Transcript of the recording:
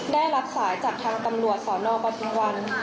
ได้รับสายจากทางตำรวจสนปทุมวัน